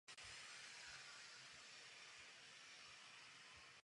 Na místním nádraží je vystavena patrně nejstarší parní lokomotiva na Slovensku.